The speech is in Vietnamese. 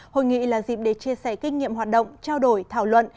hội nghị là dịp để chia sẻ kinh nghiệm hoạt động trao đổi thảo luận